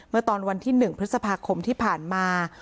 เมื่อตอนวันที่๑พฤษภาคมที่ผ่านมา